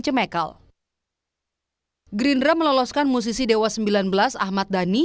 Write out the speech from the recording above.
mereka adalah wajah baru yang melengkapi barisan selebritas